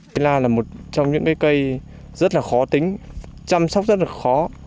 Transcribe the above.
sơn la là một trong những cây rất khó tính chăm sóc rất khó